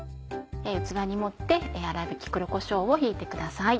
器に盛って粗びき黒こしょうをひいてください。